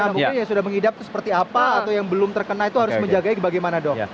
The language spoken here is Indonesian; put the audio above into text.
nah mungkin yang sudah mengidap itu seperti apa atau yang belum terkena itu harus menjaganya bagaimana dok